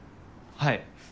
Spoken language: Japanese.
はい。